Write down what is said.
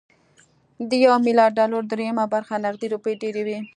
د يو ميليارد ډالرو درېيمه برخه نغدې روپۍ ډېرې وي